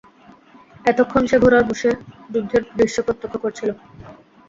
এতক্ষণ সে ঘোড়ায় বসে যুদ্ধের দৃশ্য প্রত্যক্ষ করছিল।